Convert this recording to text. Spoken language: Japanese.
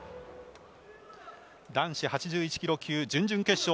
男子８１ｋｇ級準々決勝。